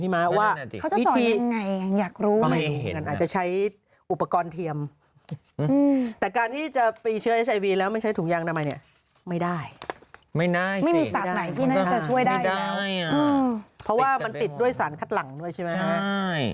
ไม่ได้ไม่มีสารไหนที่น่าจะช่วยได้อีกแล้วเพราะว่ามันติดด้วยสารคัดหลังด้วยใช่ไหมครับ